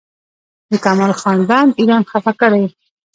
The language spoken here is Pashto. د کمال خان بند ایران خفه کړی؟